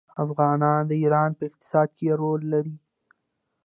افغانان د ایران په اقتصاد کې رول لري.